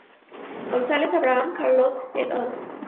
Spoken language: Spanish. González-Abraham, Charlotte et al.